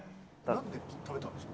なんで食べたんですか？